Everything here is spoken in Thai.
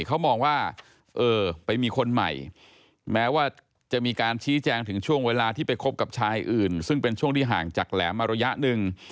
เขามองว่าเออไปมีคนใหม่แม้ว่าจะมีการชี้แจงถึงช่วงเวลาที่ไปคบกับชายอื่นซึ่งเป็นช่วงที่ห่างจากแหลมมาระยะหนึ่ง